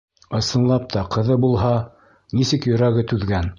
Ысынлап та ҡыҙы булһа, нисек йөрәге түҙгән.